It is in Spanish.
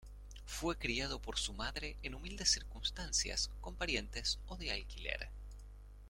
Fue criado por su madre en humildes circunstancias con parientes o de alquiler.